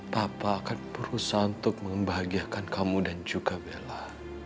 papa akan berusaha untuk membahagiakan kamu dan juga bella